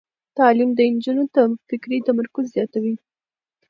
تعلیم د نجونو فکري تمرکز زیاتوي.